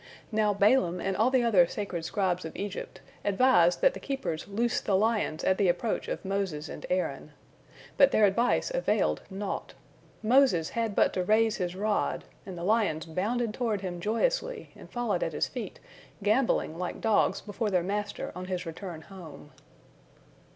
Now Balaam and all the other sacred scribes of Egypt advised that the keepers loose the lions at the approach of Moses and Aaron. But their advice availed naught. Moses had but to raise his rod, and the lions bounded toward him joyously, and followed at his feet, gambolling like dogs before their master on his return home.